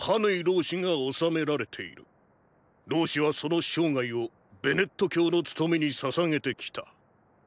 老師はその生涯をベネット教の勤めに捧げてきた。